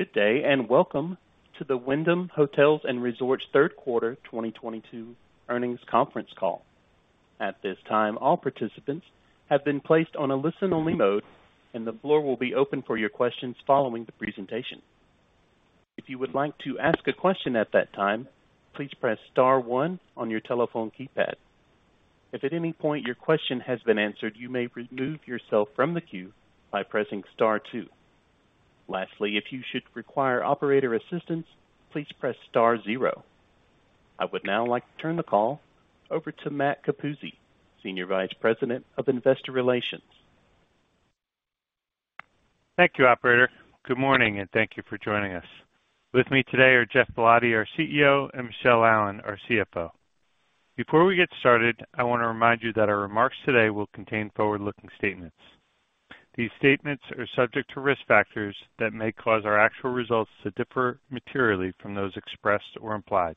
Good day, and welcome to the Wyndham Hotels & Resorts Third Quarter 2022 Earnings Conference Call. At this time, all participants have been placed on a listen-only mode, and the floor will be open for your questions following the presentation. If you would like to ask a question at that time, please press star one on your telephone keypad. If at any point your question has been answered, you may remove yourself from the queue by pressing star two. Lastly, if you should require operator assistance, please press star zero. I would now like to turn the call over to Matt Cuzzocrea, Senior Vice President of Investor Relations. Thank you, operator. Good morning, and thank you for joining us. With me today are Geoff Ballotti, our CEO, and Michele Allen, our CFO. Before we get started, I wanna remind you that our remarks today will contain forward-looking statements. These statements are subject to risk factors that may cause our actual results to differ materially from those expressed or implied.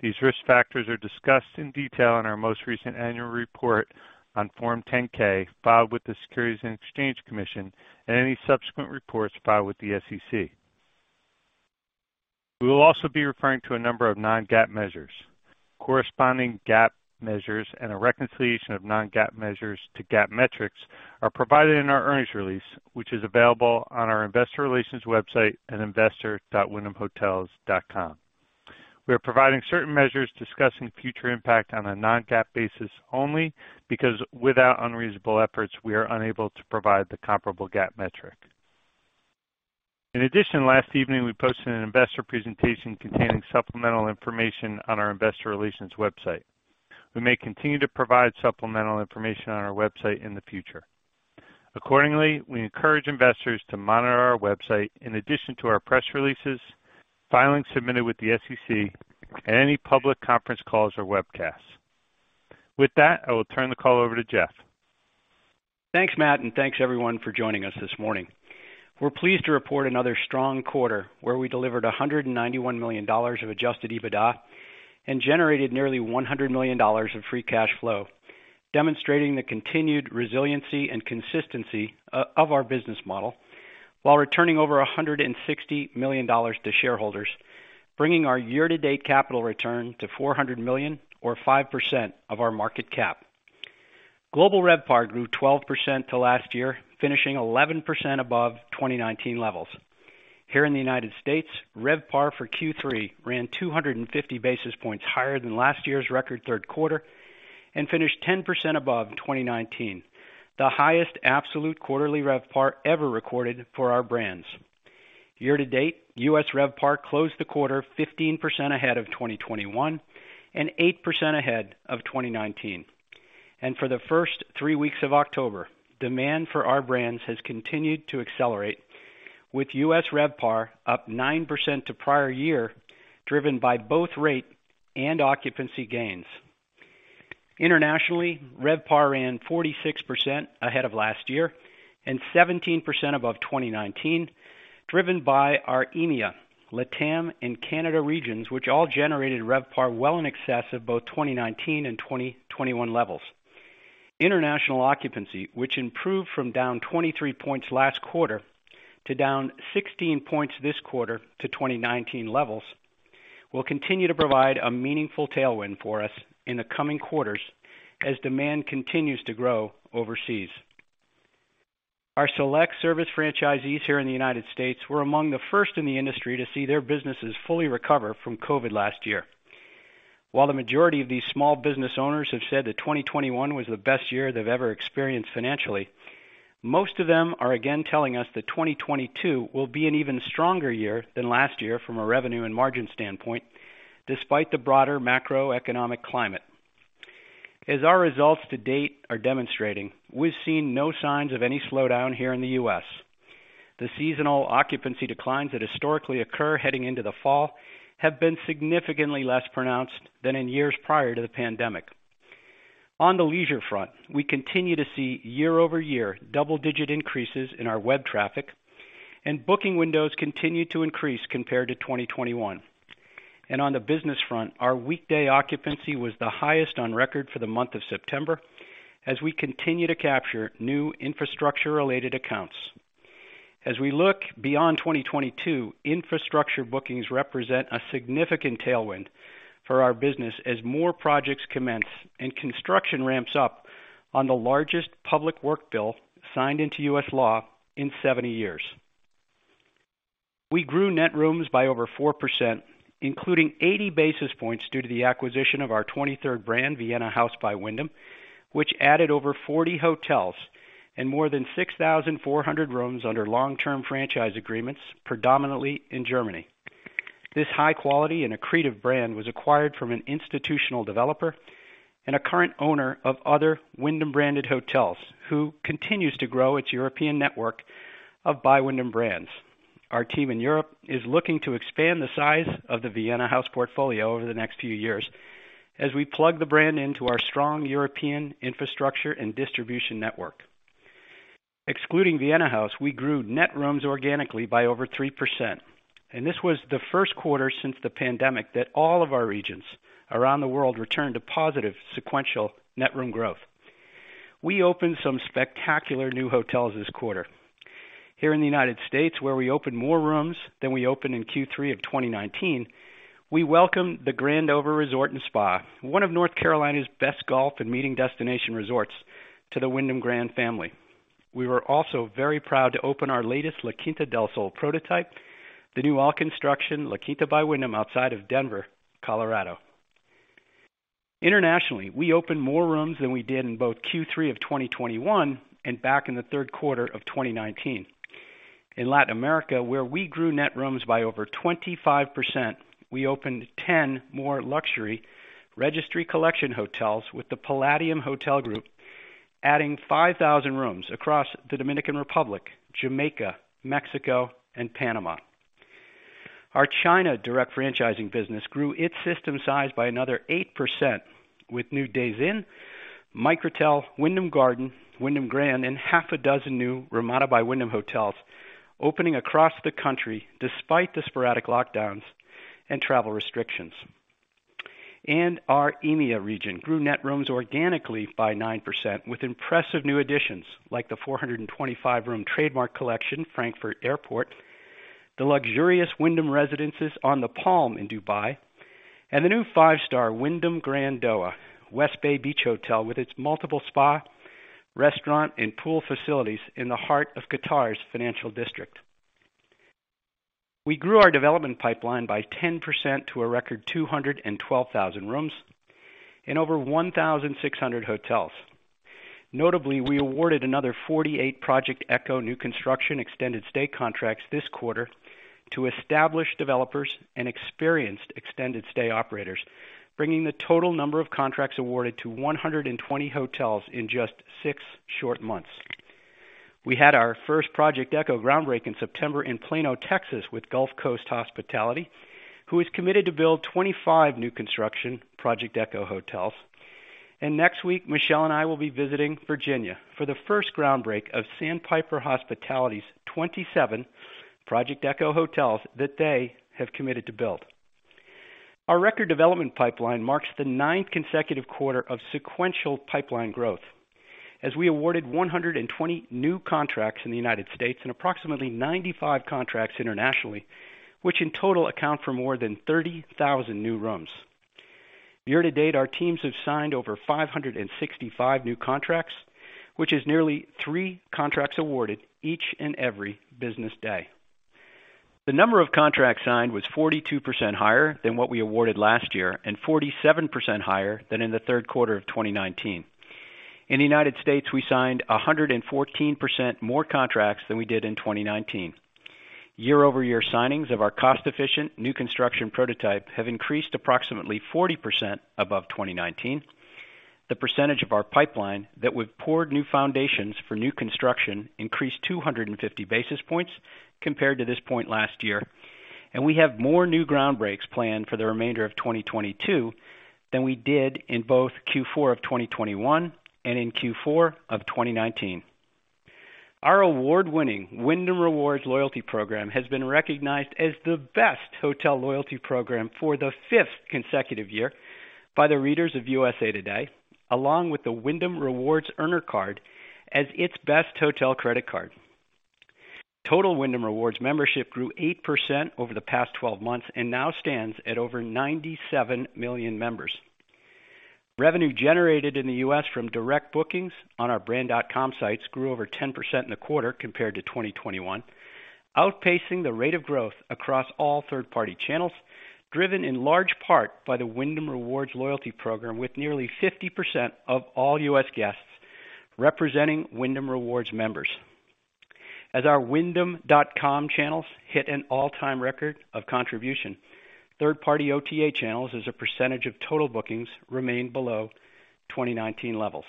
These risk factors are discussed in detail in our most recent annual report on Form 10-K filed with the Securities and Exchange Commission and any subsequent reports filed with the SEC. We will also be referring to a number of non-GAAP measures. Corresponding GAAP measures and a reconciliation of non-GAAP measures to GAAP metrics are provided in our earnings release, which is available on our investor relations website at investor.wyndhamhotels.com. We are providing certain measures discussing future impact on a non-GAAP basis only because without unreasonable efforts, we are unable to provide the comparable GAAP metric. In addition, last evening, we posted an investor presentation containing supplemental information on our investor relations website. We may continue to provide supplemental information on our website in the future. Accordingly, we encourage investors to monitor our website in addition to our press releases, filings submitted with the SEC, and any public conference calls or webcasts. With that, I will turn the call over to Geoff. Thanks, Matt, and thanks, everyone, for joining us this morning. We're pleased to report another strong quarter where we delivered $191 million of Adjusted EBITDA and generated nearly $100 million of free cash flow, demonstrating the continued resiliency and consistency of our business model while returning over $160 million to shareholders, bringing our year-to-date capital return to $400 million or 5% of our market cap. Global RevPAR grew 12% over last year, finishing 11% above 2019 levels. Here in the United States, RevPAR for Q3 ran 250 basis points higher than last year's record third quarter and finished 10% above 2019, the highest absolute quarterly RevPAR ever recorded for our brands. Year to date, U.S. RevPAR closed the quarter 15% ahead of 2021 and 8% ahead of 2019. For the first three weeks of October, demand for our brands has continued to accelerate, with U.S. RevPAR up 9% to prior year, driven by both rate and occupancy gains. Internationally, RevPAR ran 46% ahead of last year and 17% above 2019, driven by our EMEA, LATAM, and Canada regions, which all generated RevPAR well in excess of both 2019 and 2021 levels. International occupancy, which improved from down 23 points last quarter to down 16 points this quarter to 2019 levels, will continue to provide a meaningful tailwind for us in the coming quarters as demand continues to grow overseas. Our select service franchisees here in the United States were among the first in the industry to see their businesses fully recover from COVID last year. While the majority of these small business owners have said that 2021 was the best year they've ever experienced financially, most of them are again telling us that 2022 will be an even stronger year than last year from a revenue and margin standpoint, despite the broader macroeconomic climate. As our results to date are demonstrating, we've seen no signs of any slowdown here in the U.S. The seasonal occupancy declines that historically occur heading into the fall have been significantly less pronounced than in years prior to the pandemic. On the leisure front, we continue to see year-over-year double-digit increases in our web traffic, and booking windows continue to increase compared to 2021. On the business front, our weekday occupancy was the highest on record for the month of September as we continue to capture new infrastructure related accounts. As we look beyond 2022, infrastructure bookings represent a significant tailwind for our business as more projects commence and construction ramps up on the largest public work bill signed into U.S. law in 70 years. We grew net rooms by over 4%, including 80 basis points due to the acquisition of our 23rd brand, Vienna House by Wyndham, which added over 40 hotels and more than 6,400 rooms under long-term franchise agreements, predominantly in Germany. This high quality and accretive brand was acquired from an institutional developer and a current owner of other Wyndham branded hotels, who continues to grow its European network of by Wyndham brands. Our team in Europe is looking to expand the size of the Vienna House portfolio over the next few years as we plug the brand into our strong European infrastructure and distribution network. Excluding Vienna House, we grew net rooms organically by over 3%, and this was the first quarter since the pandemic that all of our regions around the world returned a positive sequential net room growth. We opened some spectacular new hotels this quarter. Here in the United States, where we opened more rooms than we opened in Q3 of 2019, we welcome the Grandover Resort & Spa, one of North Carolina's best golf and meeting destination resorts to the Wyndham Grand family. We were also very proud to open our latest La Quinta Del Sol prototype, the new all-new construction La Quinta by Wyndham outside of Denver, Colorado. Internationally, we opened more rooms than we did in both Q3 of 2021 and back in the third quarter of 2019. In Latin America, where we grew net rooms by over 25%, we opened 10 more luxury Registry Collection Hotels with the Palladium Hotel Group adding 5,000 rooms across the Dominican Republic, Jamaica, Mexico, and Panama. Our China direct franchising business grew its system size by another 8% with new Days Inn, Microtel, Wyndham Garden, Wyndham Grand, and six new Ramada by Wyndham hotels opening across the country despite the sporadic lockdowns and travel restrictions. Our EMEA region grew net rooms organically by 9% with impressive new additions like the 425-room Trademark Collection Frankfurt Airport, the luxurious Wyndham Residences The Palm in Dubai, and the new five-star Wyndham Grand Doha West Bay Beach Hotel, with its multiple spa, restaurant, and pool facilities in the heart of Qatar's financial district. We grew our development pipeline by 10% to a record 212,000 rooms in over 1,600 hotels. Notably, we awarded another 48 Project ECHO new construction extended stay contracts this quarter to established developers and experienced extended stay operators, bringing the total number of contracts awarded to 120 hotels in just six short months. We had our first Project ECHO groundbreaking in September in Plano, Texas, with Gulf Coast Hotel Management, who is committed to build 25 new construction Project ECHO hotels. Next week, Michelle and I will be visiting Virginia for the first groundbreaking of Sandpiper Hospitality's 27 Project ECHO hotels that they have committed to build. Our record development pipeline marks the ninth consecutive quarter of sequential pipeline growth as we awarded 120 new contracts in the United States and approximately 95 contracts internationally, which in total account for more than 30,000 new rooms. Year to date, our teams have signed over 565 new contracts, which is nearly three contracts awarded each and every business day. The number of contracts signed was 42% higher than what we awarded last year and 47% higher than in the third quarter of 2019. In the United States, we signed 114% more contracts than we did in 2019. Year-over-year signings of our cost-efficient new construction prototype have increased approximately 40% above 2019. The percentage of our pipeline that we've poured new foundations for new construction increased 250 basis points compared to this point last year. We have more new ground breaks planned for the remainder of 2022 than we did in both Q4 of 2021 and in Q4 of 2019. Our award-winning Wyndham Rewards loyalty program has been recognized as the best hotel loyalty program for the fifth consecutive year by the readers of USA Today, along with the Wyndham Rewards Earner Card as its best hotel credit card. Total Wyndham Rewards membership grew 8% over the past 12 months and now stands at over 97 million members. Revenue generated in the U.S. from direct bookings on our brand.com sites grew over 10% in the quarter compared to 2021, outpacing the rate of growth across all third-party channels, driven in large part by the Wyndham Rewards loyalty program with nearly 50% of all U.S. guests representing Wyndham Rewards members. As our wyndham.com channels hit an all-time record of contribution, third-party OTA channels as a percentage of total bookings remained below 2019 levels.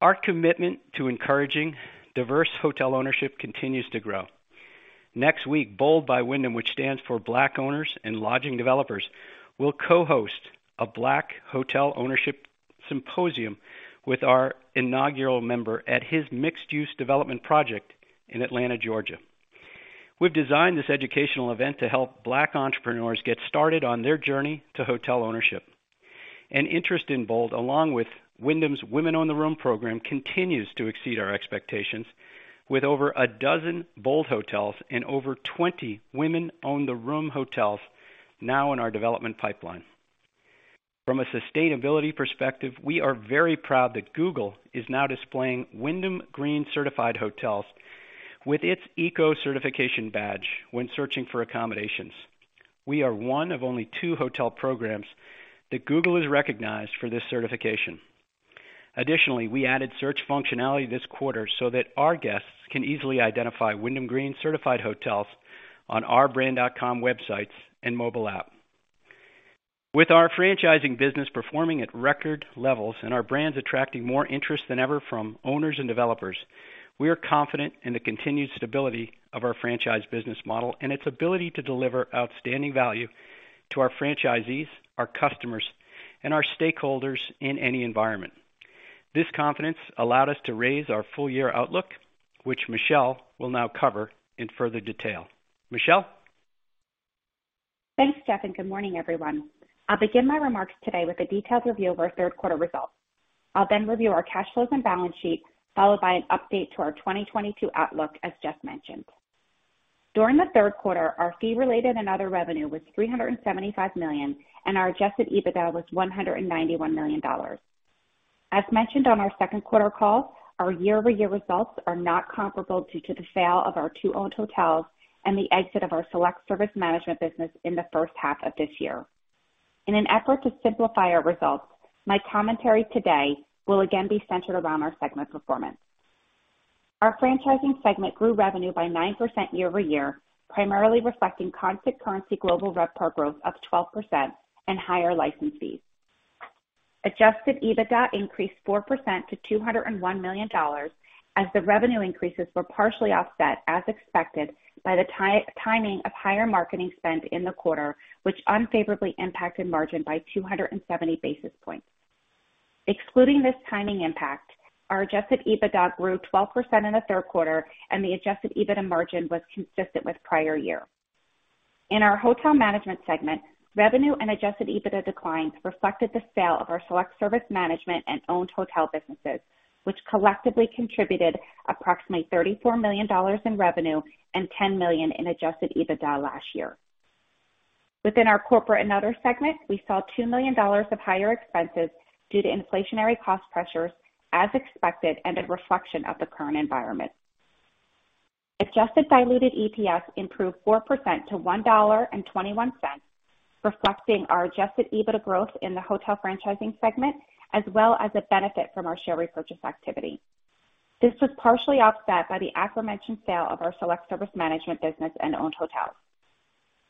Our commitment to encouraging diverse hotel ownership continues to grow. Next week, BOLD by Wyndham, which stands for Black Owners and Lodging Developers, will co-host a Black Hotel Ownership Symposium with our inaugural member at his mixed-use development project in Atlanta, Georgia. We've designed this educational event to help Black entrepreneurs get started on their journey to hotel ownership. Interest in BOLD, along with Wyndham's Women Own the Room program continues to exceed our expectations with over a dozen BOLD hotels and over 20 Women Own the Room hotels now in our development pipeline. From a sustainability perspective, we are very proud that Google is now displaying Wyndham Green certified hotels with its eco certification badge when searching for accommodations. We are one of only two hotel programs that Google has recognized for this certification. Additionally, we added search functionality this quarter so that our guests can easily identify Wyndham Green certified hotels on our brand.com websites and mobile app. With our franchising business performing at record levels and our brands attracting more interest than ever from owners and developers, we are confident in the continued stability of our franchise business model and its ability to deliver outstanding value to our franchisees, our customers, and our stakeholders in any environment. This confidence allowed us to raise our full year outlook, which Michele will now cover in further detail. Michele? Thanks, Jeff, and good morning, everyone. I'll begin my remarks today with a detailed review of our third quarter results. I'll then review our cash flows and balance sheet, followed by an update to our 2022 outlook, as Jeff mentioned. During the third quarter, our fee-related and other revenue was $375 million, and our Adjusted EBITDA was $191 million. As mentioned on our second quarter call, our year-over-year results are not comparable due to the sale of our two owned hotels and the exit of our select service management business in the first half of this year. In an effort to simplify our results, my commentary today will again be centered around our segment performance. Our franchising segment grew revenue by 9% year-over-year, primarily reflecting constant currency global RevPAR growth of 12% and higher license fees. Adjusted EBITDA increased 4% to $201 million as the revenue increases were partially offset, as expected, by the timing of higher marketing spend in the quarter, which unfavorably impacted margin by 270 basis points. Excluding this timing impact, our Adjusted EBITDA grew 12% in the third quarter, and the Adjusted EBITDA margin was consistent with prior year. In our hotel management segment, revenue and Adjusted EBITDA declines reflected the sale of our select service management and owned hotel businesses, which collectively contributed approximately $34 million in revenue and $10 million in Adjusted EBITDA last year. Within our corporate and other segments, we saw $2 million of higher expenses due to inflationary cost pressures, as expected, and a reflection of the current environment. Adjusted diluted EPS improved 4% to $1.21, reflecting our Adjusted EBITDA growth in the hotel franchising segment, as well as a benefit from our share repurchase activity. This was partially offset by the aforementioned sale of our select service management business and owned hotels.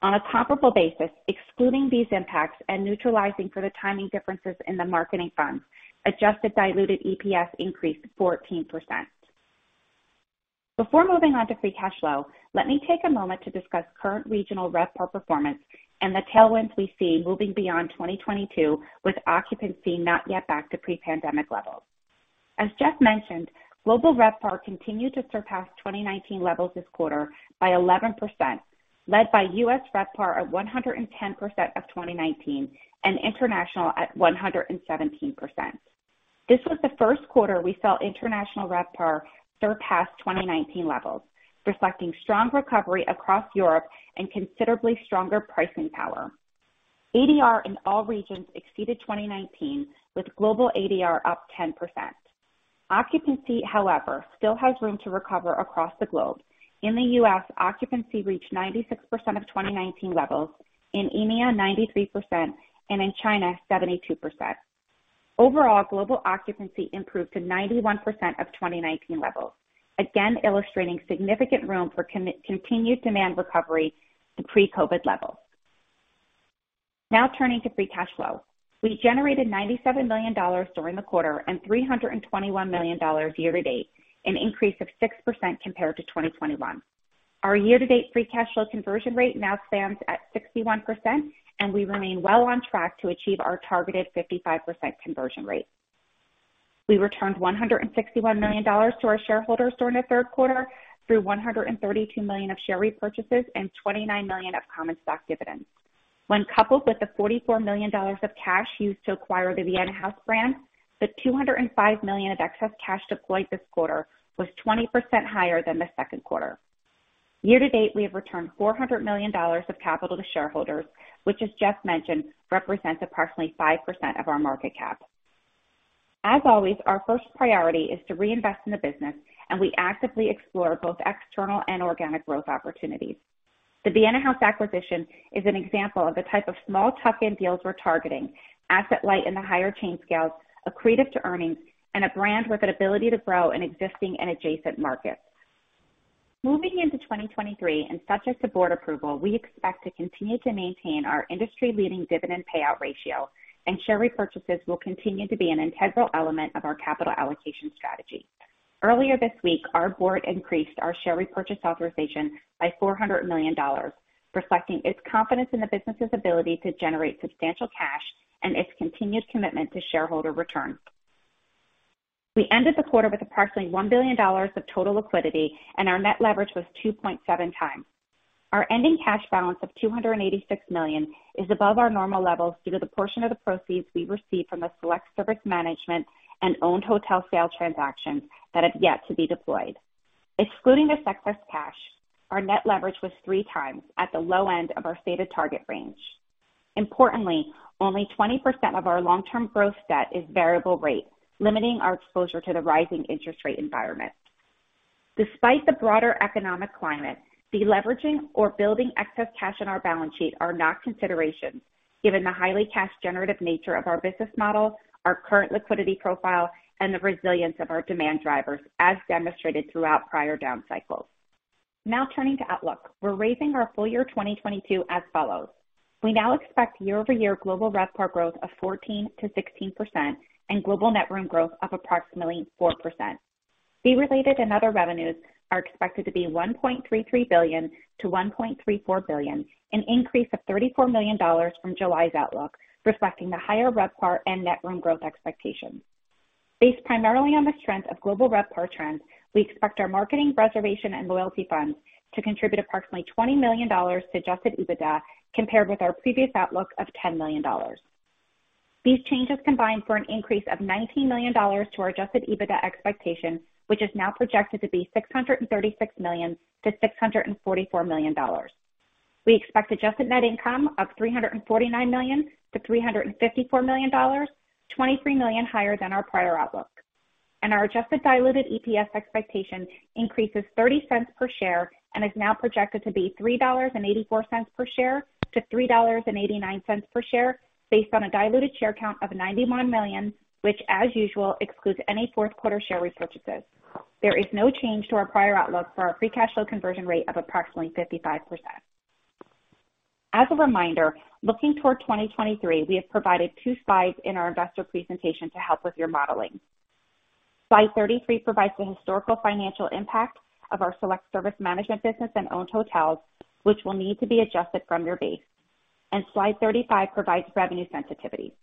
On a comparable basis, excluding these impacts and neutralizing for the timing differences in the marketing funds, adjusted diluted EPS increased 14%. Before moving on to free cash flow, let me take a moment to discuss current regional RevPAR performance and the tailwinds we see moving beyond 2022 with occupancy not yet back to pre-pandemic levels. As Jeff mentioned, global RevPAR continued to surpass 2019 levels this quarter by 11%, led by U.S. RevPAR of 110% of 2019 and international at 117%. This was the first quarter we saw international RevPAR surpass 2019 levels, reflecting strong recovery across Europe and considerably stronger pricing power. ADR in all regions exceeded 2019, with global ADR up 10%. Occupancy, however, still has room to recover across the globe. In the U.S., occupancy reached 96% of 2019 levels, in EMEA 93%, and in China 72%. Overall, global occupancy improved to 91% of 2019 levels, again illustrating significant room for continued demand recovery to pre-COVID levels. Now turning to free cash flow. We generated $97 million during the quarter and $321 million year to date, an increase of 6% compared to 2021. Our year-to-date free cash flow conversion rate now stands at 61%, and we remain well on track to achieve our targeted 55% conversion rate. We returned $161 million to our shareholders during the third quarter through $132 million of share repurchases and $29 million of common stock dividends. When coupled with the $44 million of cash used to acquire the Vienna House brand, the $205 million of excess cash deployed this quarter was 20% higher than the second quarter. Year to date, we have returned $400 million of capital to shareholders, which, as Geoff mentioned, represents approximately 5% of our market cap. As always, our first priority is to reinvest in the business, and we actively explore both external and organic growth opportunities. The Vienna House acquisition is an example of the type of small tuck-in deals we're targeting, asset light in the higher chain scales, accretive to earnings, and a brand with an ability to grow in existing and adjacent markets. Moving into 2023 and subject to board approval, we expect to continue to maintain our industry-leading dividend payout ratio, and share repurchases will continue to be an integral element of our capital allocation strategy. Earlier this week, our board increased our share repurchase authorization by $400 million, reflecting its confidence in the business's ability to generate substantial cash and its continued commitment to shareholder return. We ended the quarter with approximately $1 billion of total liquidity, and our net leverage was 2.7x. Our ending cash balance of $286 million is above our normal levels due to the portion of the proceeds we received from the select service management and owned hotel sale transactions that have yet to be deployed. Excluding this excess cash, our net leverage was 3x at the low end of our stated target range. Importantly, only 20% of our long-term growth debt is variable rate, limiting our exposure to the rising interest rate environment. Despite the broader economic climate, deleveraging or building excess cash on our balance sheet are not considerations given the highly cash generative nature of our business model, our current liquidity profile, and the resilience of our demand drivers as demonstrated throughout prior down cycles. Now turning to outlook. We're raising our full year 2022 as follows. We now expect year-over-year global RevPAR growth of 14%-16% and global net room growth of approximately 4%. Fee related and other revenues are expected to be $1.33 billion-$1.34 billion, an increase of $34 million from July's outlook, reflecting the higher RevPAR and net room growth expectations. Based primarily on the strength of global RevPAR trends, we expect our marketing, reservation, and loyalty funds to contribute approximately $20 million to Adjusted EBITDA compared with our previous outlook of $10 million. These changes combine for an increase of $19 million to our Adjusted EBITDA expectations, which is now projected to be $636 million-$644 million. We expect adjusted net income of $349 million-$354 million, $23 million higher than our prior outlook. Our adjusted diluted EPS expectation increases $0.30 per share and is now projected to be $3.84-$3.89 per share based on a diluted share count of 91 million, which as usual excludes any fourth quarter share repurchases. There is no change to our prior outlook for our free cash flow conversion rate of approximately 55%. As a reminder, looking toward 2023, we have provided two slides in our investor presentation to help with your modeling. Slide 33 provides the historical financial impact of our select service management business and owned hotels, which will need to be adjusted from your base. Slide 35 provides revenue sensitivity.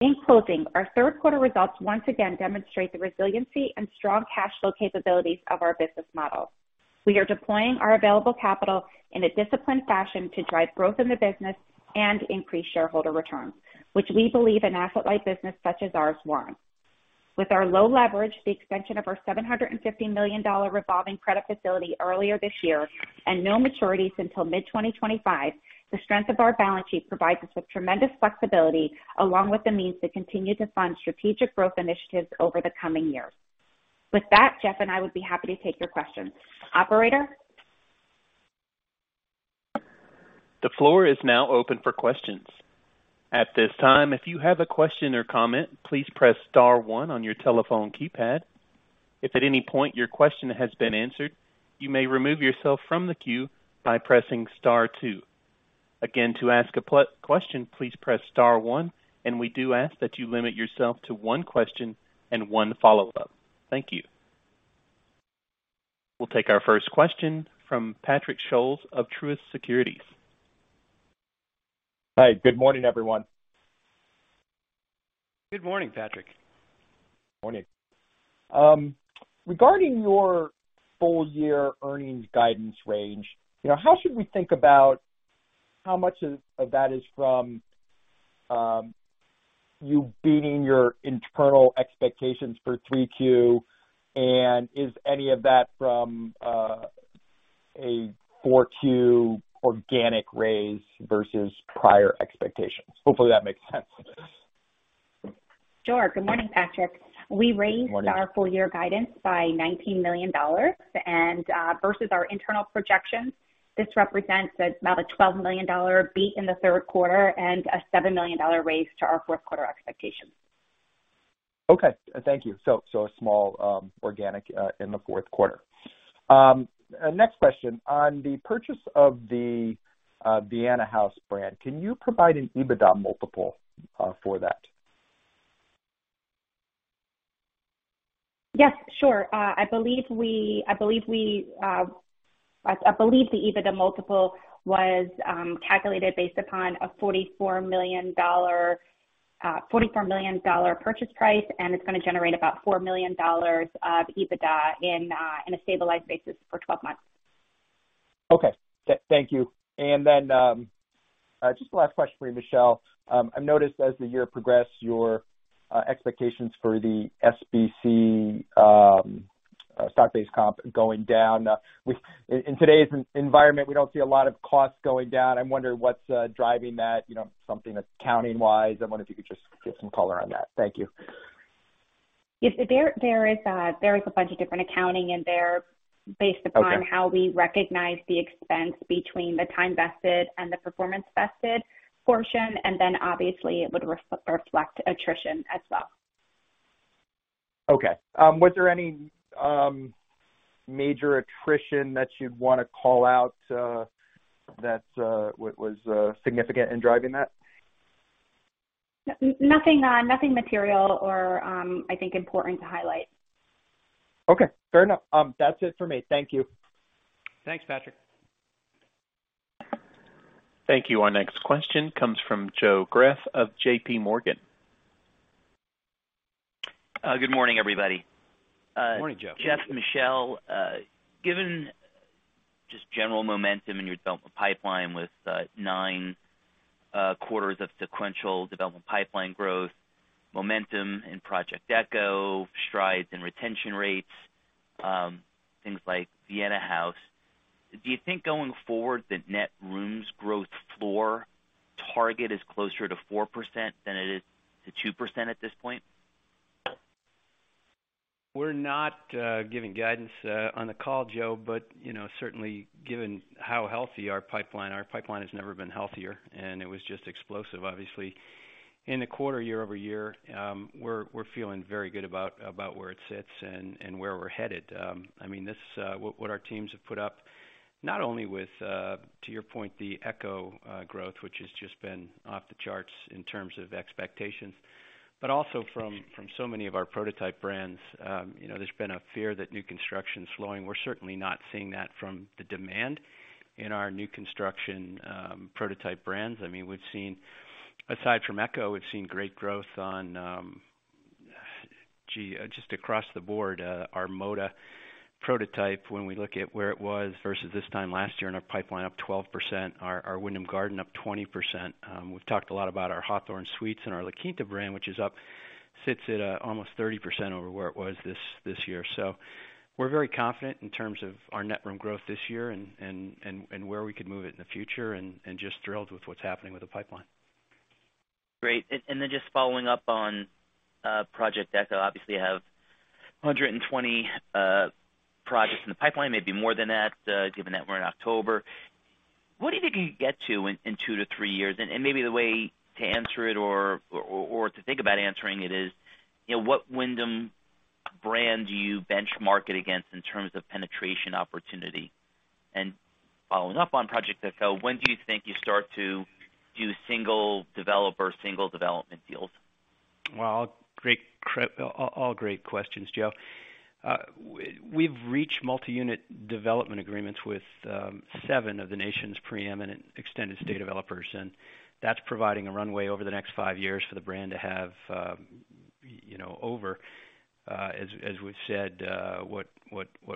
In closing, our third quarter results once again demonstrate the resiliency and strong cash flow capabilities of our business model. We are deploying our available capital in a disciplined fashion to drive growth in the business and increase shareholder returns, which we believe an asset-light business such as ours warrants. With our low leverage, the extension of our $750 million revolving credit facility earlier this year, and no maturities until mid-2025, the strength of our balance sheet provides us with tremendous flexibility, along with the means to continue to fund strategic growth initiatives over the coming years. With that, Geoff and I would be happy to take your questions. Operator? The floor is now open for questions. At this time, if you have a question or comment, please press star one on your telephone keypad. If at any point your question has been answered, you may remove yourself from the queue by pressing star two. Again, to ask a question, please press star one, and we do ask that you limit yourself to one question and one follow-up. Thank you. We'll take our first question from Patrick Scholes of Truist Securities. Hi, good morning, everyone. Good morning, Patrick. Morning. Regarding your full year earnings guidance range, you know, how should we think about how much of that is from you beating your internal expectations for 3Q, and is any of that from a 4Q organic raise versus prior expectations? Hopefully, that makes sense. Sure. Good morning, Patrick. Good morning. We raised our full-year guidance by $19 million and versus our internal projections, this represents about a $12 million beat in the third quarter and a $7 million raise to our fourth quarter expectations. Okay, thank you. A small organic in the fourth quarter. Next question. On the purchase of the Vienna House brand, can you provide an EBITDA multiple for that? Yes, sure. I believe the EBITDA multiple was calculated based upon a $44 million purchase price, and it's gonna generate about $4 million of EBITDA on a stabilized basis for 12 months. Okay. Thank you. Just the last question for you, Michele. I've noticed as the year progressed, your expectations for the SBC, stock-based comp going down. In today's environment, we don't see a lot of costs going down. I'm wondering what's driving that, you know, something that's accounting-wise. I wonder if you could just give some color on that. Thank you. Yes. There is a bunch of different accounting in there based upon. Okay. how we recognize the expense between the time vested and the performance vested portion, and then obviously it would reflect attrition as well. Okay, was there any major attrition that you'd wanna call out, that was significant in driving that? Nothing material or, I think important to highlight. Okay, fair enough. That's it for me. Thank you. Thanks, Patrick. Thank you. Our next question comes from Joe Greff of JPMorgan. Good morning, everybody. Morning, Joe. Geoff, Michelle, given just general momentum in your development pipeline with nine quarters of sequential development pipeline growth, momentum in Project ECHO, strides and retention rates, things like Vienna House, do you think going forward, the net rooms growth floor target is closer to 4% than it is to 2% at this point? We're not giving guidance on the call, Joe, but you know, certainly given how healthy our pipeline. Our pipeline has never been healthier, and it was just explosive, obviously. In the quarter, year-over-year, we're feeling very good about where it sits and where we're headed. I mean, what our teams have put up not only with, to your point, the ECHO growth, which has just been off the charts in terms of expectations, but also from so many of our prototype brands. You know, there's been a fear that new construction is slowing. We're certainly not seeing that from the demand in our new construction prototype brands. I mean, we've seen, aside from ECHO, great growth on just across the board, our Moda prototype, when we look at where it was versus this time last year in our pipeline, up 12%, our Wyndham Garden up 20%. We've talked a lot about our Hawthorn Suites and our La Quinta brand, which sits at almost 30% over where it was this year. We're very confident in terms of our net room growth this year and where we could move it in the future, and just thrilled with what's happening with the pipeline. Great. Then just following up on Project ECHO. Obviously, you have 120 projects in the pipeline, maybe more than that, given that we're in October. What do you think you can get to in two to three years? Maybe the way to answer it or to think about answering it is, you know, what Wyndham brand do you benchmark it against in terms of penetration opportunity? Following up on Project ECHO, when do you think you start to do single developer, single development deals? Well, all great questions, Joe. We've reached multi-unit development agreements with seven of the nation's preeminent extended stay developers, and that's providing a runway over the next five years for the brand to have, over, as we've said, what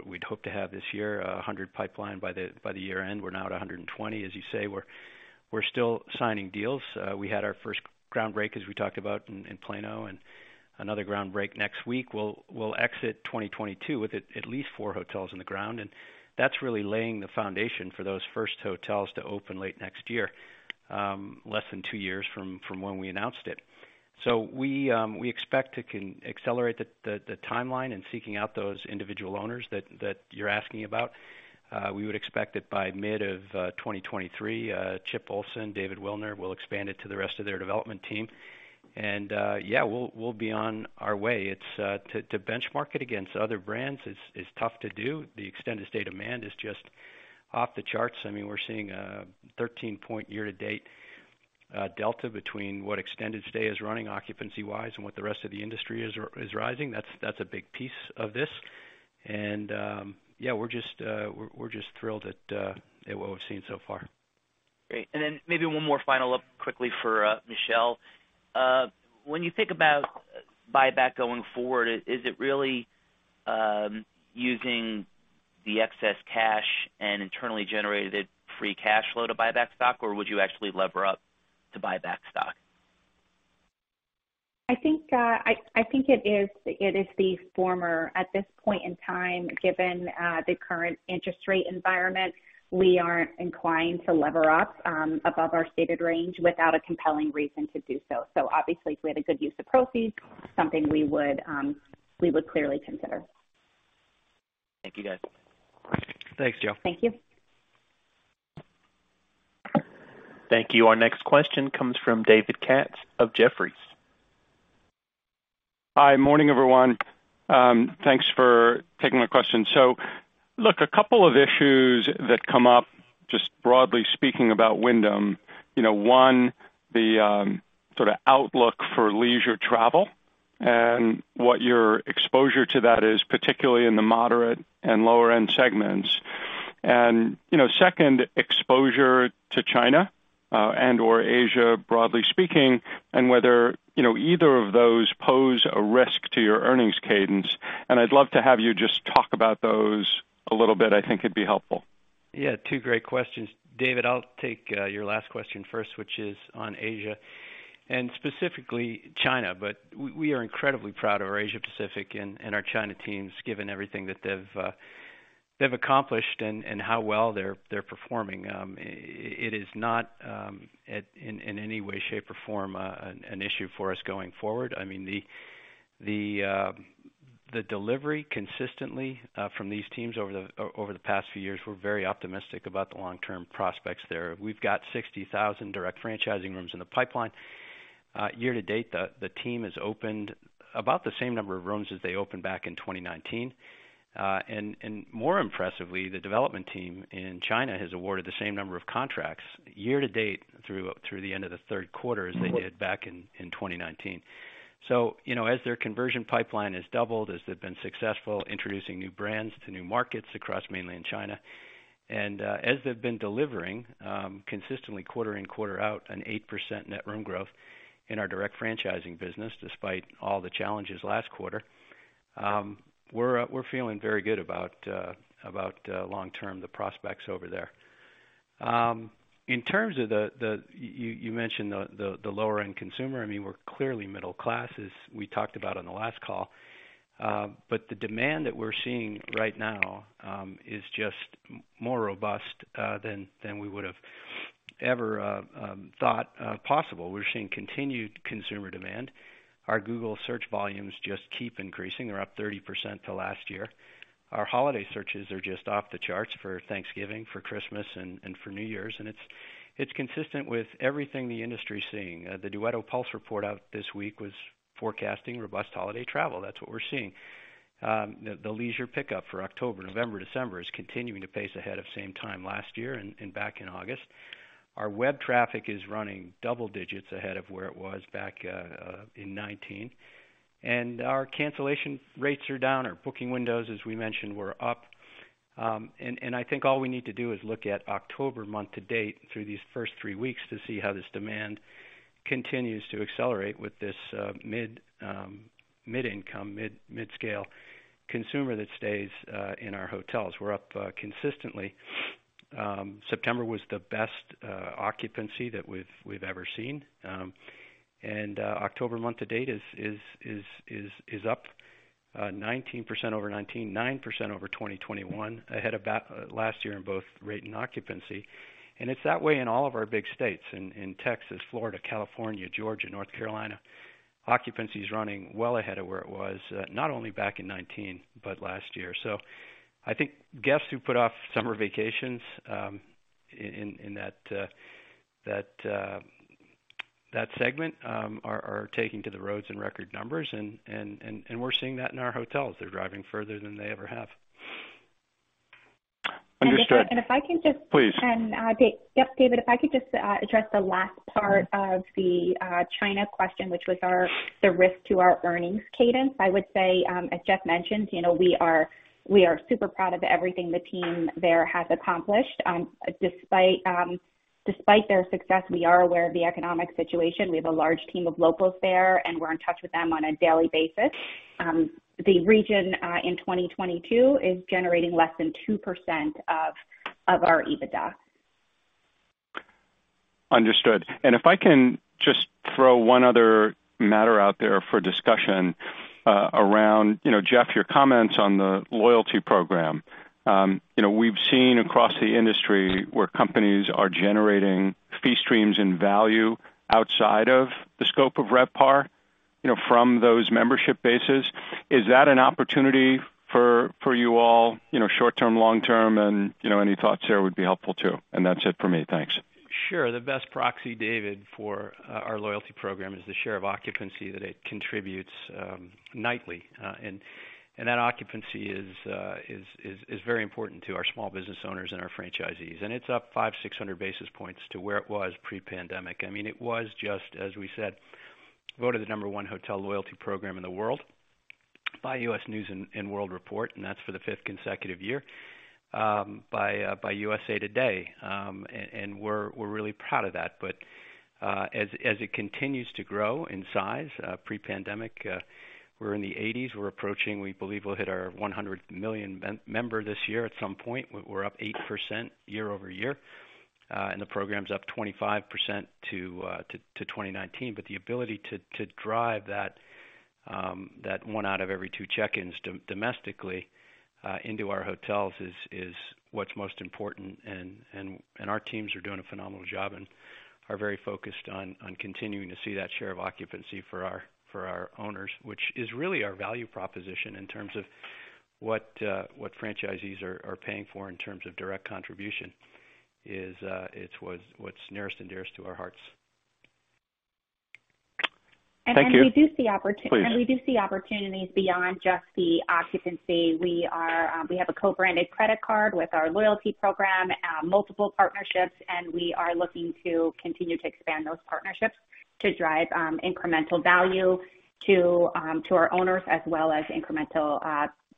we'd hope to have this year, 100 pipeline by the year end. We're now at 120, as you say. We're still signing deals. We had our first groundbreaking, as we talked about, in Plano, and another groundbreaking next week. We'll exit 2022 with at least four hotels in the ground, and that's really laying the foundation for those first hotels to open late next year, less than two years from when we announced it. We expect to continue to accelerate the timeline in seeking out those individual owners that you're asking about. We would expect that by mid-2023, Chip Ohlsson, David Wilner will expand it to the rest of their development team. We'll be on our way. To benchmark it against other brands is tough to do. The extended stay demand is just off the charts. I mean, we're seeing 13-point year-to-date delta between what extended stay is running occupancy-wise and what the rest of the industry is rising. That's a big piece of this. We're just thrilled at what we've seen so far. Great. Maybe one more final wrap-up quickly for Michele. When you think about buyback going forward, is it really using the excess cash and internally generated free cash flow to buy back stock, or would you actually lever up to buy back stock? I think it is the former. At this point in time, given the current interest rate environment, we aren't inclined to lever up above our stated range without a compelling reason to do so. Obviously, if we had a good use of proceeds, something we would clearly consider. Thank you, guys. Thanks, Joe. Thank you. Thank you. Our next question comes from David Katz of Jefferies. Hi. Morning, everyone. Thanks for taking my question. Look, a couple of issues that come up, just broadly speaking about Wyndham. You know, one, the sort of outlook for leisure travel and what your exposure to that is, particularly in the moderate and lower end segments. You know, second, exposure to China, and/or Asia, broadly speaking, and whether either of those pose a risk to your earnings cadence. I'd love to have you just talk about those a little bit. I think it'd be helpful. Yeah. Two great questions. David, I'll take your last question first, which is on Asia, and specifically China. We are incredibly proud of our Asia Pacific and our China teams, given everything that they've accomplished and how well they're performing. It is not in any way, shape, or form an issue for us going forward. I mean, the delivery consistently from these teams over the past few years. We're very optimistic about the long-term prospects there. We've got 60,000 direct franchising rooms in the pipeline. Year to date, the team has opened about the same number of rooms as they opened back in 2019. More impressively, the development team in China has awarded the same number of contracts year to date through the end of the third quarter as they did back in 2019. You know, as their conversion pipeline has doubled, as they've been successful introducing new brands to new markets across mainland China, and as they've been delivering consistently quarter in, quarter out 8% net room growth in our direct franchising business, despite all the challenges last quarter, we're feeling very good about long-term the prospects over there. In terms of the, you mentioned the lower end consumer. I mean, we're clearly middle class, as we talked about on the last call. The demand that we're seeing right now is just more robust than we would have ever thought possible. We're seeing continued consumer demand. Our Google search volumes just keep increasing. They're up 30% to last year. Our holiday searches are just off the charts for Thanksgiving, for Christmas, and for New Year's. It's consistent with everything the industry is seeing. The Duetto Pulse Report out this week was forecasting robust holiday travel. That's what we're seeing. The leisure pickup for October, November, December is continuing to pace ahead of same time last year and back in August. Our web traffic is running double digits ahead of where it was back in 2019. Our cancellation rates are down. Our booking windows, as we mentioned, were up. I think all we need to do is look at October month to date through these first three weeks to see how this demand continues to accelerate with this mid-income, mid-scale consumer that stays in our hotels. We're up consistently. September was the best occupancy that we've ever seen. October month to date is up 19% over 2019, 9% over 2021, ahead of last year in both rate and occupancy. It's that way in all of our big states. In Texas, Florida, California, Georgia, North Carolina, occupancy is running well ahead of where it was, not only back in 2019 but last year. I think guests who put off summer vacations in that segment are taking to the roads in record numbers and we're seeing that in our hotels. They're driving further than they ever have. Understood. If I can just. Please. David, if I could just address the last part of the China question, which was the risk to our earnings cadence. I would say, as Jeff mentioned, you know, we are super proud of everything the team there has accomplished. Despite their success, we are aware of the economic situation. We have a large team of locals there, and we're in touch with them on a daily basis. The region in 2022 is generating less than 2% of our EBITDA. Understood. If I can just throw one other matter out there for discussion, around, you know, Jeff, your comments on the loyalty program. You know, we've seen across the industry where companies are generating fee streams and value outside of the scope of RevPAR, you know, from those membership bases. Is that an opportunity for you all, you know, short-term, long-term? You know, any thoughts there would be helpful too. That's it for me. Thanks. Sure. The best proxy, David, for our loyalty program is the share of occupancy that it contributes nightly. That occupancy is very important to our small business owners and our franchisees. It's up 500-600 basis points to where it was pre-pandemic. I mean, it was just, as we said, voted the number one hotel loyalty program in the world by U.S. News & World Report, and that's for the fifth consecutive year by USA Today. We're really proud of that. As it continues to grow in size pre-pandemic, we're in the eighties. We're approaching. We believe we'll hit our 100 million member this year at some point. We're up 8% year-over-year, and the program's up 25% to 2019. But the ability to drive that one out of every two check-ins domestically into our hotels is what's most important. Our teams are doing a phenomenal job and are very focused on continuing to see that share of occupancy for our owners, which is really our value proposition in terms of what franchisees are paying for in terms of direct contribution. It's what's nearest and dearest to our hearts. Thank you. We do see opportu- Please. We do see opportunities beyond just the occupancy. We have a co-branded credit card with our loyalty program, multiple partnerships, and we are looking to continue to expand those partnerships to drive incremental value to our owners as well as incremental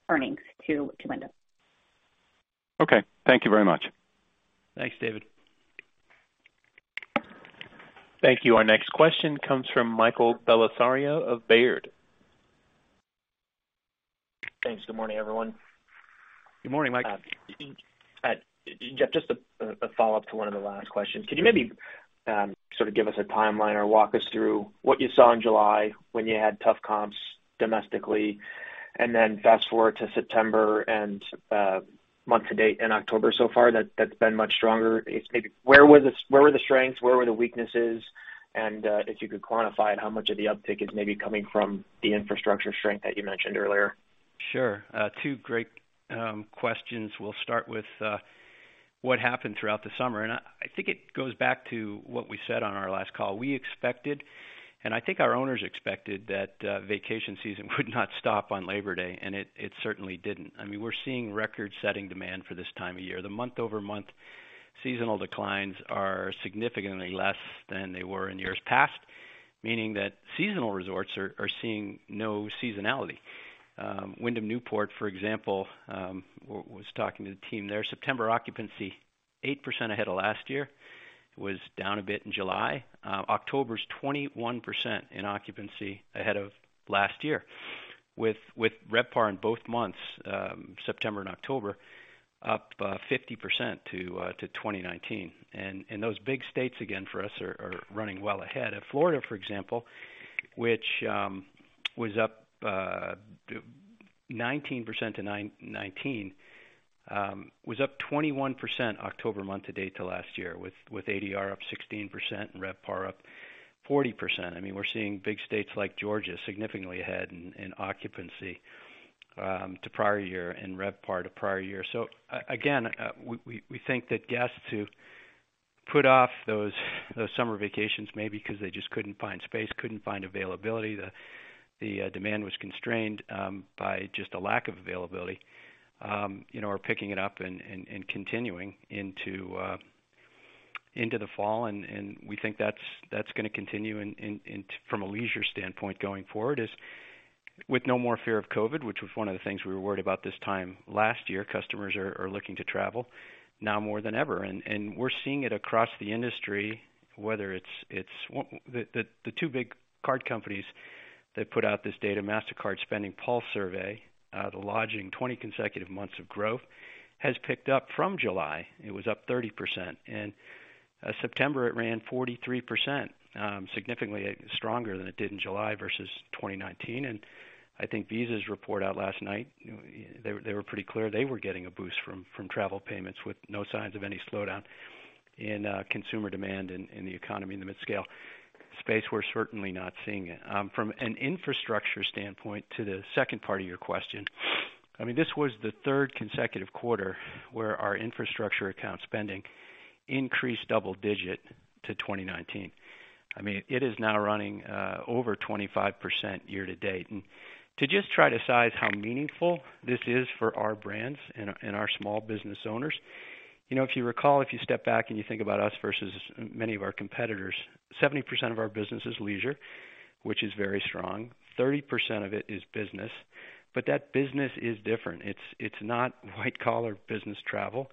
earnings to Wyndham. Okay. Thank you very much. Thanks, David. Thank you. Our next question comes from Michael Bellisario of Baird. Thanks. Good morning, everyone. Good morning, Mike. Jeff, just a follow-up to one of the last questions. Could you maybe sort of give us a timeline or walk us through what you saw in July when you had tough comps domestically, and then fast-forward to September and month to date in October so far that's been much stronger. Where were the strengths, where were the weaknesses? If you could quantify it, how much of the uptick is maybe coming from the infrastructure strength that you mentioned earlier? Sure. Two great questions. We'll start with what happened throughout the summer, and I think it goes back to what we said on our last call. We expected, and I think our owners expected that, vacation season would not stop on Labor Day, and it certainly didn't. I mean, we're seeing record-setting demand for this time of year. The month-over-month seasonal declines are significantly less than they were in years past, meaning that seasonal resorts are seeing no seasonality. Wyndham Newport, for example, was talking to the team there. September occupancy, 8% ahead of last year, was down a bit in July. October's 21% in occupancy ahead of last year with RevPAR in both months, September and October, up 50% to 2019. Those big states, again, for us are running well ahead. Florida, for example, which was up 19% to 919, was up 21% October month-to-date to last year with ADR up 16% and RevPAR up 40%. I mean, we're seeing big states like Georgia significantly ahead in occupancy to prior year in RevPAR to prior year. Again, we think that guests who put off those summer vacations, maybe 'cause they just couldn't find space, couldn't find availability, the demand was constrained by just a lack of availability, you know, are picking it up and continuing into the fall, and we think that's gonna continue in from a leisure standpoint going forward is with no more fear of COVID, which was one of the things we were worried about this time last year. Customers are looking to travel now more than ever. We're seeing it across the industry, whether it's the two big card companies that put out this data, Mastercard SpendingPulse survey, the lodging 20 consecutive months of growth has picked up from July. It was up 30%. September, it ran 43%, significantly stronger than it did in July versus 2019. I think Visa's report out last night, they were pretty clear they were getting a boost from travel payments with no signs of any slowdown in consumer demand in the economy, in the midscale space. We're certainly not seeing it. From an infrastructure standpoint to the second part of your question, I mean, this was the third consecutive quarter where our infrastructure account spending increased double-digit to 2019. I mean, it is now running over 25% year to date. To just try to size how meaningful this is for our brands and our small business owners, you know, if you recall, if you step back and you think about us versus many of our competitors, 70% of our business is leisure, which is very strong. 30% of it is business, but that business is different. It's not white collar business travel.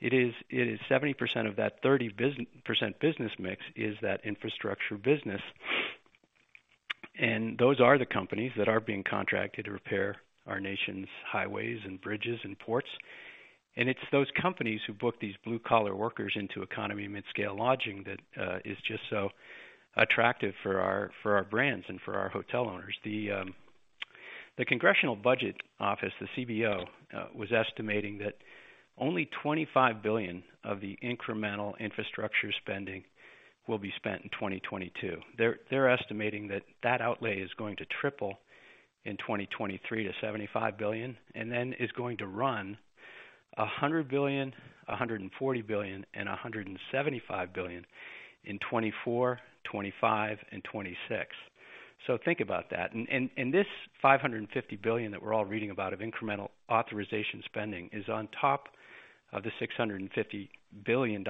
It is 70% of that 30% business mix is that infrastructure business. Those are the companies that are being contracted to repair our nation's highways and bridges and ports. It's those companies who book these blue collar workers into economy and midscale lodging that is just so attractive for our brands and for our hotel owners. The Congressional Budget Office, the CBO, was estimating that only $25 billion of the incremental infrastructure spending will be spent in 2022. They're estimating that that outlay is going to triple in 2023 to $75 billion, and then is going to run $100 billion, $140 billion, and $175 billion in 2024, 2025, and 2026. Think about that. This $550 billion that we're all reading about of incremental authorization spending is on top of the $650 billion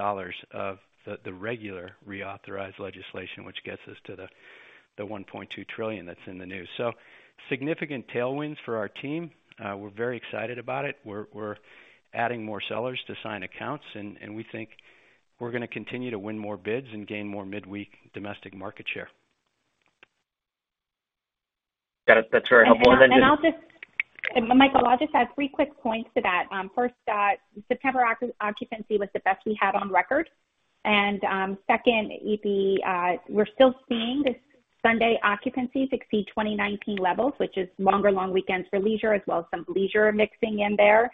of the regular reauthorized legislation, which gets us to the $1.2 trillion that's in the news. Significant tailwinds for our team. We're very excited about it. We're adding more sellers to sign accounts, and we think we're gonna continue to win more bids and gain more midweek domestic market share. That's very helpful. Just- Michael, I'll just add three quick points to that. First, September occupancy was the best we had on record. Second, we're still seeing these Sunday occupancies exceed 2019 levels, which is longer weekends for leisure as well as some leisure mixing in there.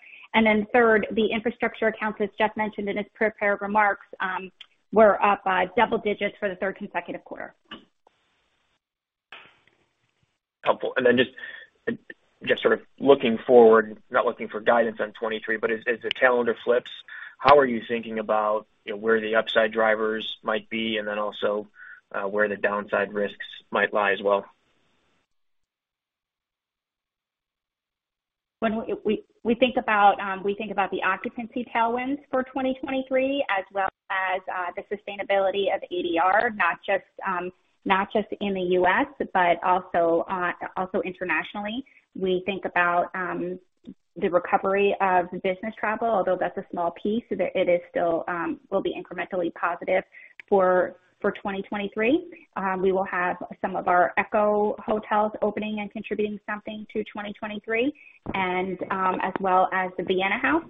Third, the infrastructure accounts, as Geoff mentioned in his prepared remarks, were up by double digits for the third consecutive quarter. Helpful. Then just sort of looking forward, not looking for guidance on 2023, but as the calendar flips, how are you thinking about, you know, where the upside drivers might be and then also, where the downside risks might lie as well? When we think about the occupancy tailwinds for 2023, as well as the sustainability of ADR, not just in the U.S., but also internationally. We think about the recovery of business travel, although that's a small piece, it is still will be incrementally positive for 2023. We will have some of our ECHO hotels opening and contributing something to 2023 and as well as the Vienna House.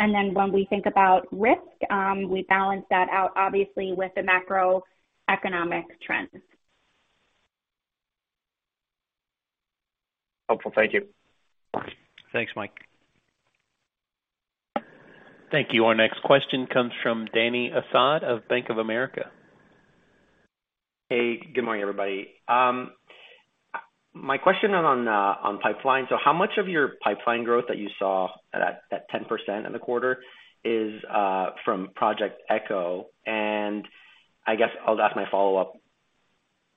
When we think about risk, we balance that out obviously with the macroeconomic trends. Helpful. Thank you. Thanks, Mike. Thank you. Our next question comes from Dany Asad of Bank of America. Hey, good morning, everybody. My question on pipeline. How much of your pipeline growth that you saw at 10% in the quarter is from Project ECHO? I guess I'll ask my follow-up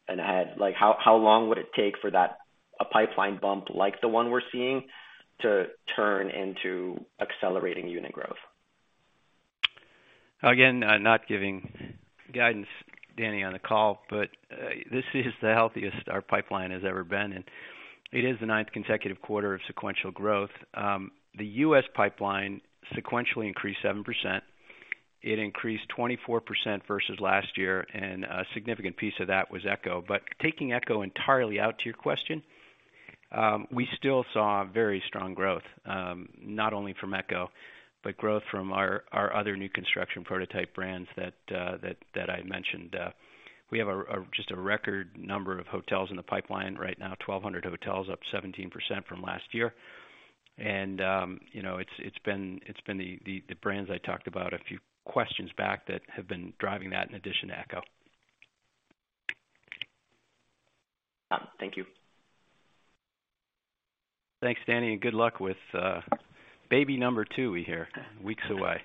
ahead. Like, how long would it take for a pipeline bump like the one we're seeing to turn into accelerating unit growth? Again, not giving guidance, Dany, on the call, but this is the healthiest our pipeline has ever been, and it is the ninth consecutive quarter of sequential growth. The U.S. pipeline sequentially increased 7%. It increased 24% versus last year, and a significant piece of that was ECHO. But taking ECHO entirely out to your question, we still saw very strong growth, not only from ECHO, but growth from our other new construction prototype brands that I mentioned. We have just a record number of hotels in the pipeline right now, 1,200 hotels, up 17% from last year. You know, it's been the brands I talked about a few questions back that have been driving that in addition to ECH. Thank you. Thanks, Dany, and good luck with baby number two, we hear. Weeks away.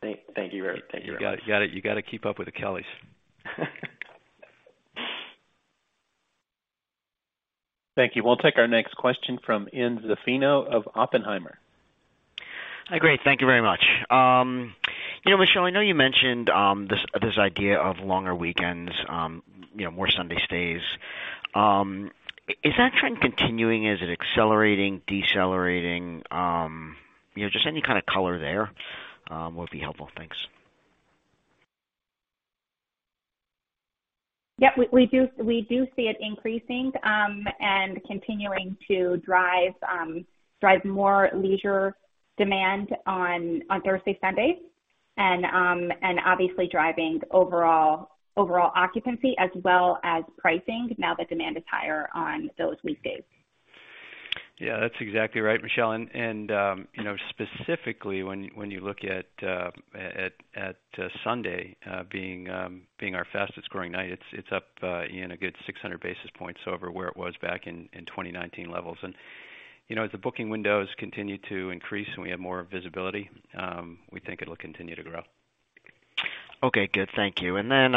Thank you very much. You gotta keep up with the Kellys. Thank you. We'll take our next question from Ian Zaffino of Oppenheimer. Hi, great. Thank you very much. You know, Michele, I know you mentioned this idea of longer weekends, you know, more Sunday stays. Is that trend continuing? Is it accelerating, decelerating? You know, just any kind of color there would be helpful. Thanks. Yeah, we do see it increasing and continuing to drive more leisure demand on Thursdays and Sundays and obviously driving overall occupancy as well as pricing now that demand is higher on those weekdays. Yeah, that's exactly right, Michele. You know, specifically when you look at Sunday being our fastest growing night, it's up, you know, a good 600 basis points over where it was back in 2019 levels. You know, as the booking windows continue to increase, and we have more visibility, we think it'll continue to grow. Okay, good. Thank you. Then,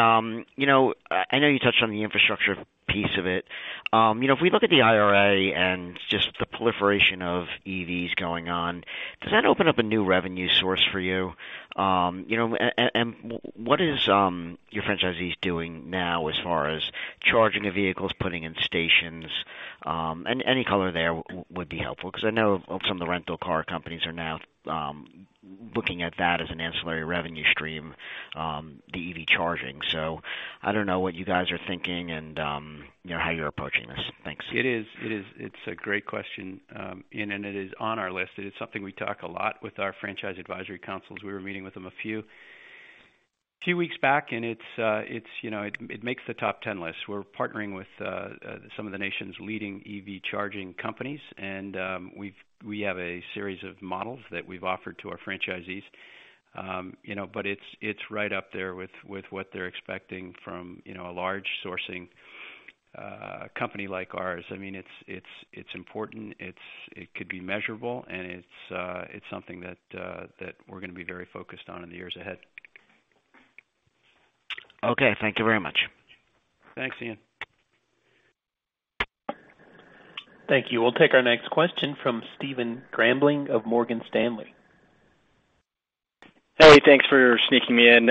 you know, I know you touched on the infrastructure piece of it. You know, if we look at the IRA and just the proliferation of EVs going on, does that open up a new revenue source for you? You know, and what is your franchisees doing now as far as charging the vehicles, putting in stations? Any color there would be helpful because I know some of the rental car companies are now looking at that as an ancillary revenue stream, the EV charging. I don't know what you guys are thinking and, you know, how you're approaching this. Thanks. It is. It's a great question, Ian, and it is on our list. It is something we talk a lot with our franchise advisory councils. We were meeting with them a few weeks back, and it's, you know, it makes the top ten list. We're partnering with some of the nation's leading EV charging companies, and we have a series of models that we've offered to our franchisees. You know, it's right up there with what they're expecting from, you know, a large sourcing company like ours. I mean, it's important. It could be measurable, and it's something that we're gonna be very focused on in the years ahead. Okay. Thank you very much. Thanks, Ian. Thank you. We'll take our next question from Stephen Grambling of Morgan Stanley. Hey, thanks for sneaking me in.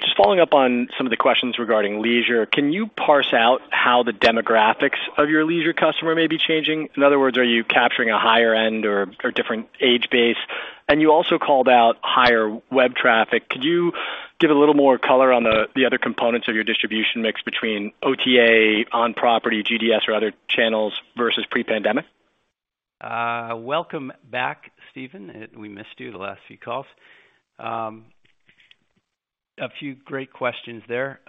Just following up on some of the questions regarding leisure, can you parse out how the demographics of your leisure customer may be changing? In other words, are you capturing a higher end or different age base? You also called out higher web traffic. Could you give a little more color on the other components of your distribution mix between OTA, on property GDS or other channels versus pre-pandemic? Welcome back, Stephen. We missed you the last few calls. A few great questions there.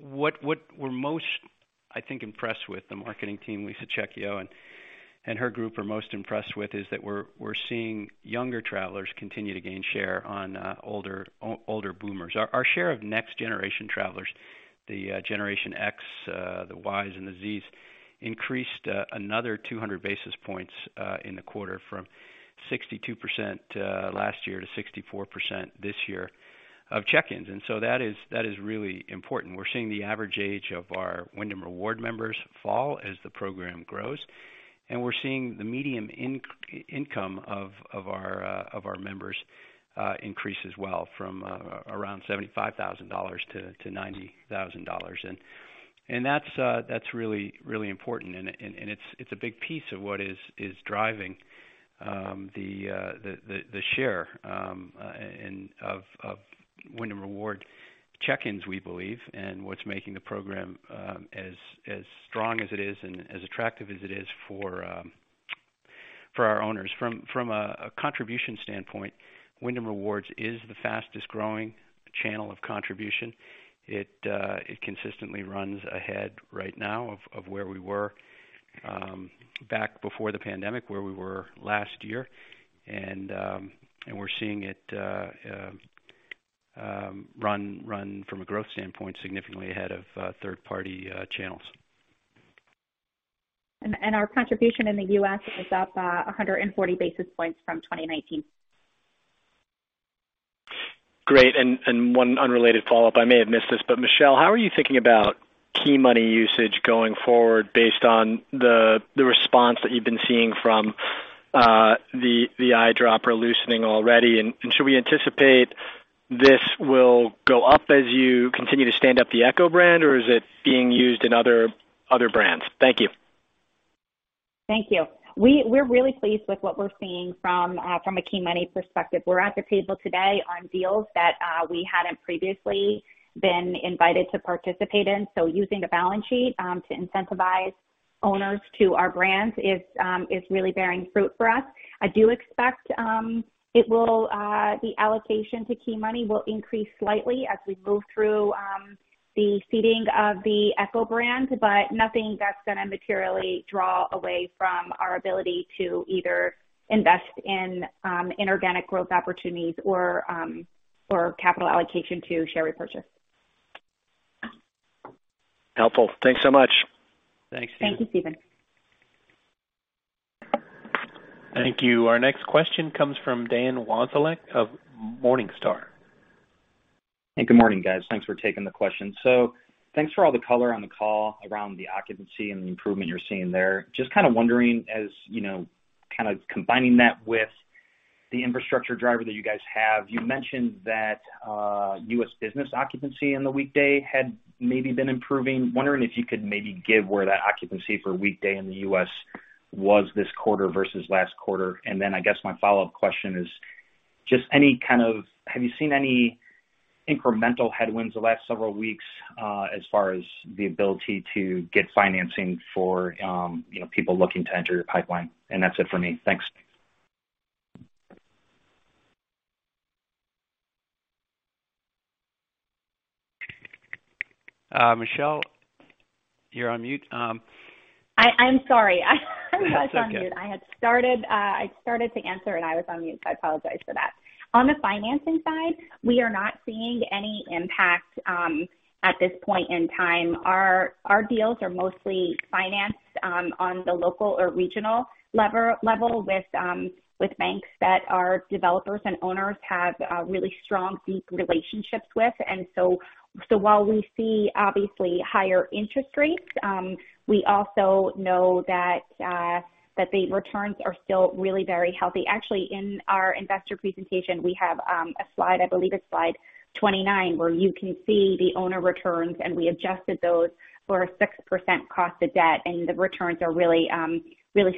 What we're most, I think, impressed with the marketing team, Lisa Checchio and her group are most impressed with is that we're seeing younger travelers continue to gain share on older boomers. Our share of next generation travelers, the Generation X, the Ys and the Zs increased another 200 basis points in the quarter from 62% last year to 64% this year of check-ins. That is really important. We're seeing the average age of our Wyndham Rewards members fall as the program grows, and we're seeing the median income of our members increase as well from around $75,000 to $90,000. That's really important. It's a big piece of what is driving the share and of Wyndham Rewards check-ins, we believe, and what's making the program as strong as it is and as attractive as it is for our owners. From a contribution standpoint, Wyndham Rewards is the fastest growing channel of contribution. It consistently runs ahead right now of where we were back before the pandemic, where we were last year. We're seeing it run from a growth standpoint, significantly ahead of third party channels. Our contribution in the U.S. is up 140 basis points from 2019. Great. One unrelated follow-up, I may have missed this, but Michele, how are you thinking about key money usage going forward based on the response that you've been seeing from the developers loosening already? Should we anticipate this will go up as you continue to stand up the ECHO brand, or is it being used in other brands? Thank you. Thank you. We're really pleased with what we're seeing from a key money perspective. We're at the table today on deals that we hadn't previously been invited to participate in. Using the balance sheet to incentivize owners to our brands is really bearing fruit for us. I do expect the allocation to key money will increase slightly as we move through the seeding of the ECHO brand, but nothing that's gonna materially draw away from our ability to either invest in inorganic growth opportunities or capital allocation to share repurchase. Helpful. Thanks so much. Thanks. Thank you, Stephen. Thank you. Our next question comes from Dan Wasiolek of Morningstar. Hey, good morning, guys. Thanks for taking the question. Thanks for all the color on the call around the occupancy and the improvement you're seeing there. Just kind of wondering, as you know, kind of combining that with the infrastructure driver that you guys have. You mentioned that, U.S. business occupancy in the weekday had maybe been improving. Wondering if you could maybe give where that occupancy for weekday in the U.S. was this quarter versus last quarter. Then I guess my follow-up question is just, have you seen any incremental headwinds the last several weeks, as far as the ability to get financing for, you know, people looking to enter your pipeline? That's it for me. Thanks. Michele, you're on mute. I'm sorry. I was on mute. That's okay. I started to answer, and I was on mute, so I apologize for that. On the financing side, we are not seeing any impact at this point in time. Our deals are mostly financed on the local or regional level with banks that our developers and owners have really strong, deep relationships with. While we see obviously higher interest rates, we also know that the returns are still really very healthy. Actually, in our investor presentation, we have a slide, I believe it's slide 29, where you can see the owner returns, and we adjusted those for a 6% cost of debt, and the returns are really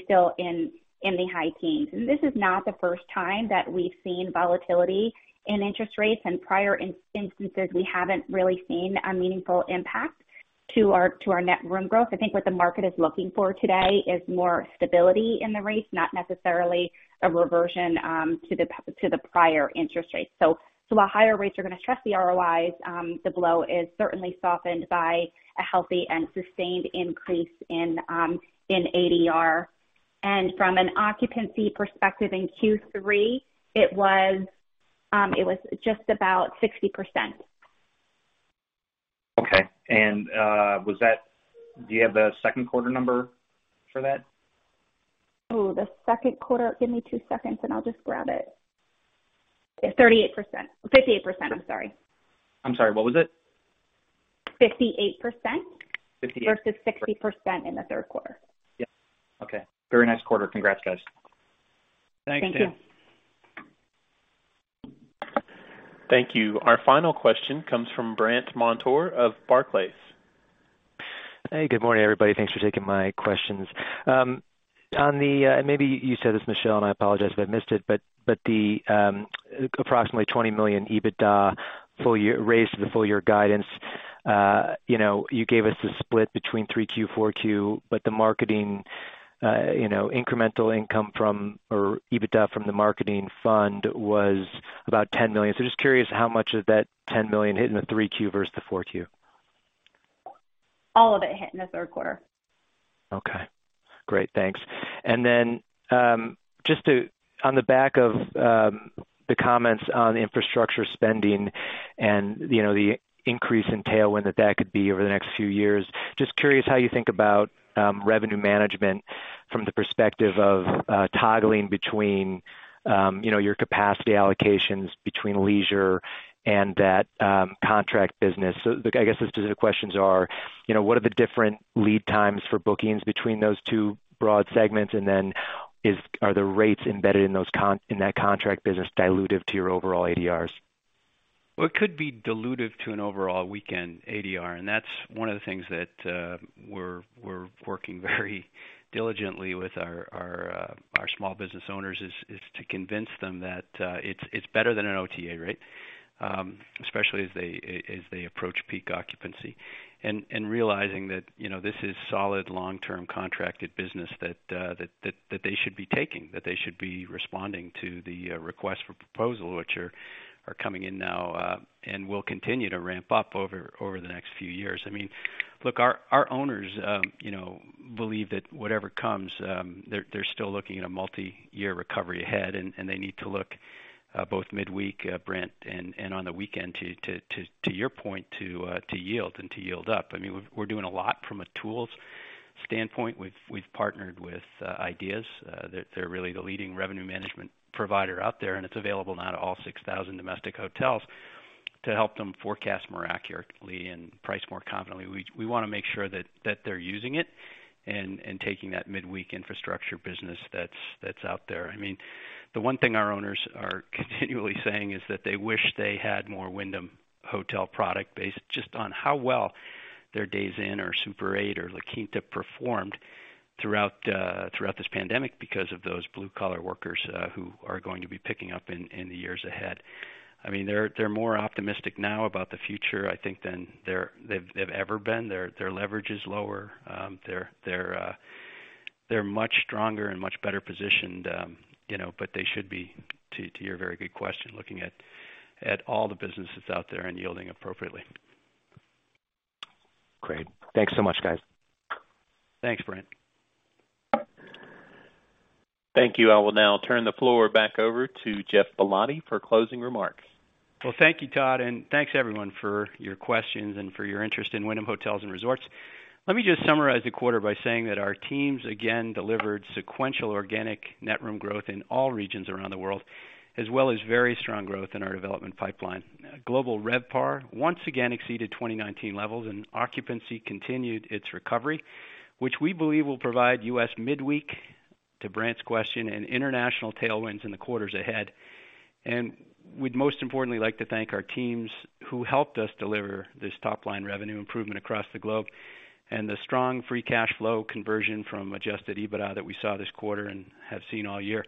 still in the high teens. This is not the first time that we've seen volatility in interest rates. In prior instances, we haven't really seen a meaningful impact to our net room growth. I think what the market is looking for today is more stability in the rates, not necessarily a reversion to the prior interest rates. While higher rates are gonna stress the ROIs, the blow is certainly softened by a healthy and sustained increase in ADR. From an occupancy perspective, in Q3, it was just about 60%. Do you have the second quarter number for that? Ooh, the second quarter. Give me two seconds, and I'll just grab it. Yeah, 38%. 58%, I'm sorry. I'm sorry, what was it? 58%. 58. Versus 60% in the third quarter. Yeah. Okay. Very nice quarter. Congrats, guys. Thanks, Dan. Thank you. Thank you. Our final question comes from Brandt Montour of Barclays. Hey, good morning, everybody. Thanks for taking my questions. Maybe you said this, Michele, and I apologize if I missed it, but the approximately $20 million EBITDA full year raise to the full year guidance, you know, you gave us the split between 3Q, 4Q, but the marketing, you know, incremental income from or EBITDA from the marketing fund was about $10 million. Just curious how much of that $10 million hit in the 3Q versus the 4Q. All of it hit in the third quarter. Okay. Great. Thanks. On the back of the comments on infrastructure spending and, you know, the increase in tailwind that could be over the next few years, just curious how you think about revenue management from the perspective of toggling between, you know, your capacity allocations between leisure and that contract business. So I guess the specific questions are, you know, what are the different lead times for bookings between those two broad segments? Are the rates embedded in that contract business dilutive to your overall ADRs? Well, it could be dilutive to an overall weekend ADR, and that's one of the things that we're working very diligently with our small business owners is to convince them that it's better than an OTA rate, especially as they approach peak occupancy. Realizing that, you know, this is solid long-term contracted business that they should be taking, that they should be responding to the request for proposal, which are coming in now, and will continue to ramp up over the next few years. I mean, look, our owners, you know, believe that whatever comes, they're still looking at a multi-year recovery ahead, and they need to look both midweek, Brandt, and on the weekend to your point, to yield up. I mean, we're doing a lot from a tools standpoint. We've partnered with IDeaS. They're really the leading revenue management provider out there, and it's available now to all 6,000 domestic hotels to help them forecast more accurately and price more confidently. We wanna make sure that they're using it and taking that midweek infrastructure business that's out there. I mean, the one thing our owners are continually saying is that they wish they had more Wyndham Hotels product based just on how well their Days Inn or Super 8 or La Quinta performed throughout this pandemic because of those blue collar workers who are going to be picking up in the years ahead. I mean, they're more optimistic now about the future, I think, than they've ever been. Their leverage is lower. They're much stronger and much better positioned, you know, but they should be, to your very good question, looking at all the businesses out there and yielding appropriately. Great. Thanks so much, guys. Thanks, Brandt. Thank you. I will now turn the floor back over to Geoff Ballotti for closing remarks. Well, thank you, Todd, and thanks everyone for your questions and for your interest in Wyndham Hotels & Resorts. Let me just summarize the quarter by saying that our teams again delivered sequential organic net room growth in all regions around the world, as well as very strong growth in our development pipeline. Global RevPAR once again exceeded 2019 levels and occupancy continued its recovery, which we believe will provide U.S. midweek, to Brandt's question, and international tailwinds in the quarters ahead. We'd most importantly like to thank our teams who helped us deliver this top-line revenue improvement across the globe and the strong free cash flow conversion from Adjusted EBITDA that we saw this quarter and have seen all year.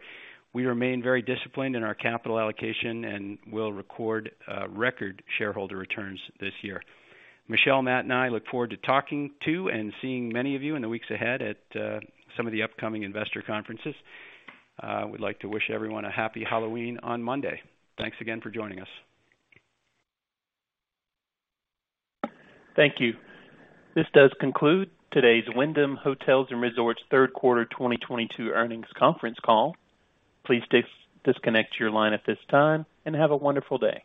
We remain very disciplined in our capital allocation and will record record shareholder returns this year. Michele, Matt, and I look forward to talking to and seeing many of you in the weeks ahead at some of the upcoming investor conferences. We'd like to wish everyone a happy Halloween on Monday. Thanks again for joining us. Thank you. This does conclude today's Wyndham Hotels & Resorts Third Quarter 2022 Eearnings Conference Call. Please disconnect your line at this time and have a wonderful day.